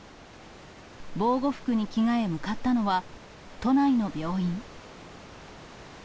防護服に着替え向かったのは、都内の病院。